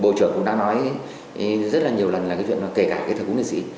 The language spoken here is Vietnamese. bộ trưởng cũng đã nói rất là nhiều lần là cái chuyện kể cả cái thợ cúng địa sĩ